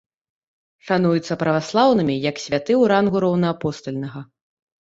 Шануецца праваслаўнымі як святы ў рангу роўнаапостальнага.